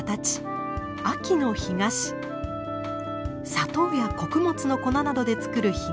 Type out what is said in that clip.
砂糖や穀物の粉などで作る干菓子。